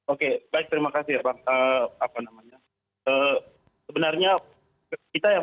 oke baik terima kasih sebenarnya kita yang